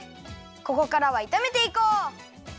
ここからはいためていこう！